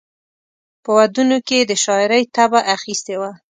په ودونو کې یې د شاعرۍ طبع اخیستې وه.